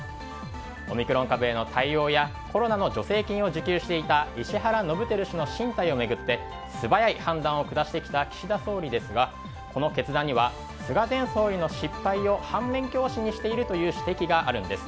オミクロン株への対応やコロナの助成金を受給していた石原伸晃氏の進退を巡って素早い判断を下してきた岸田総理ですがこの決断には菅前総理の失敗を反面教師にしているという指摘があるんです。